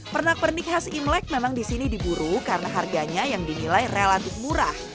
pernak pernik khas imlek memang di sini diburu karena harganya yang dinilai relatif murah